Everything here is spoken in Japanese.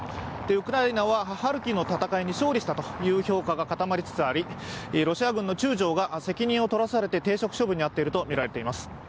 ウクライナはハルキウの戦いに勝利したという評価が固まりつつありロシア軍の中将が責任を取らされて停職処分に遭っているとみられています。